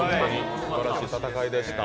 すばらしい戦いでした。